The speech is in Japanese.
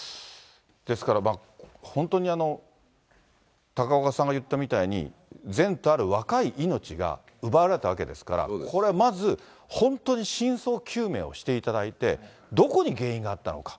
ですから、本当に高岡さんが言ったみたいに、前途ある若い命が奪われたわけですから、これはまず、本当に真相究明をしていただいて、どこに原因があったのか。